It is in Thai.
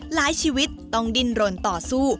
หลายชีวิตต้องดินรนต่อสู้